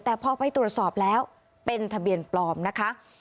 แต่พอไปตรวจสอบแล้วเป็นทะเบียนปลอมนะคะ